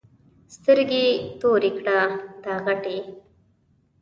سترګې تورې کړه دا غټې.